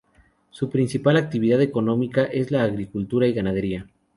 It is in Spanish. Su principal actividad económica es la agricultura y ganadería.